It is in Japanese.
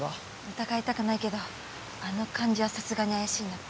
疑いたくないけどあの感じはさすがに怪しいなって。